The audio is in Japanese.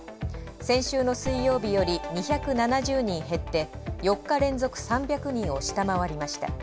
先週の水曜日より２７０人減って４日連続３００人を下回りました。